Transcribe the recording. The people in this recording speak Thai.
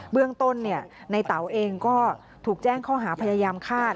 เรื่องต้นในเต๋าเองก็ถูกแจ้งข้อหาพยายามฆ่า